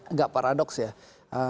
nggak paradoks ya